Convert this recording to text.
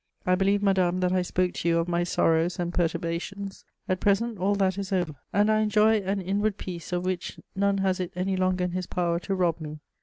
I believe, madame, that I spoke to you of my sorrows and perturbations. At present, all that is over, and I enjoy an inward peace of which none has it any longer in his power to rob me.